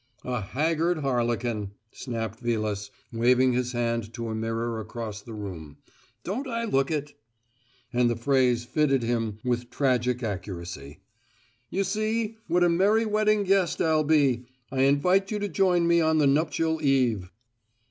"A haggard harlequin!" snapped Vilas, waving his hand to a mirror across the room. "Don't I look it?" And the phrase fitted him with tragic accuracy. "You see? What a merry wedding guest I'll be! I invite you to join me on the nuptial eve."